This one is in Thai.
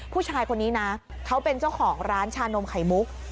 ผู้ชายคนนี้นะเขาเป็นเจ้าของร้านชานมไข่มุก